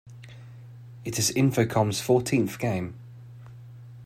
It is Infocom's fourteenth game.